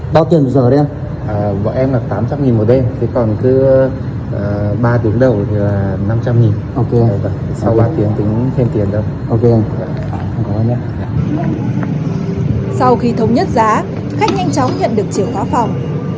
sau khi thống nhất giá khách nhanh chóng nhận được chìa khóa phòng